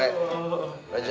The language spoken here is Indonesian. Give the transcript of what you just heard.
ya kalau mah